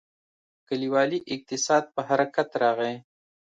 کلیوالي اقتصاد په حرکت راغی.